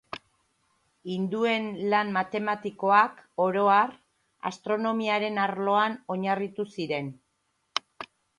Hinduen lan matematikoak, oro har, astronomiaren arloan oinarritu ziren.